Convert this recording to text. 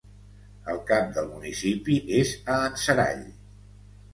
El cap del municipi és a Anserall.